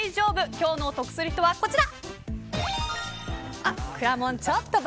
今日の得する人は、こちら。